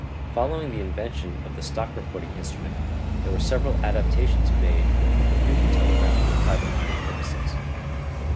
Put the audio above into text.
Following the invention of the stock reporting instrument there were several adaptations made of the printing telegraph for private line purposes.